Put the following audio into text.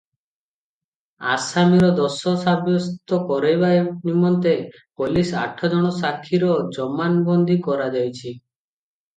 ଆସାମୀର ଦୋଷ ସାବ୍ୟସ୍ତ କରାଇବା ନିମନ୍ତେ ପୋଲିସ ଆଠଜଣ ସାକ୍ଷୀର ଜମାନବନ୍ଦୀ କରାଯାଇଛି ।